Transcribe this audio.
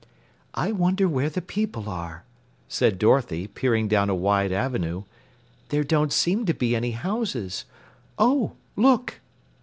"I wonder where the people are," said Dorothy, peering down a wide avenue. "There don't seem to be any houses. Oh, look!"